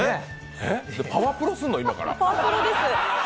「パワプロ」すんの、今から。